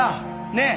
ねえ」